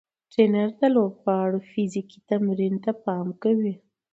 ټرېنر د لوبغاړو فزیکي تمرین ته پام کوي.